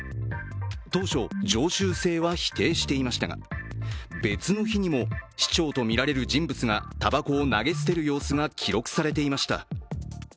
当初、常習性は否定していましたが、別の日にも市長とみられる人物がたばこを投げ捨てる様子が記録されていました。